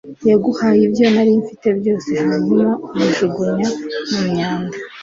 Yaguhaye ibyo nari mfite byose hanyuma ubijugunya mu myanda